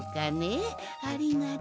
ありがとう。